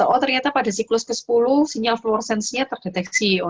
oh ternyata pada siklus ke sepuluh sinyal floor sense nya terdeteksi